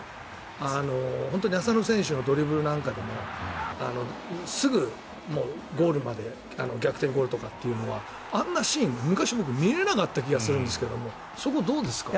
本当に浅野選手のドリブルなんかでもすぐゴールまで逆転ゴールとかというのはあんなシーン、昔、僕見られなかった気がするんですがそこはどうですか？